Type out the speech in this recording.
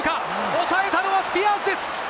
おさえたのはスピアーズです！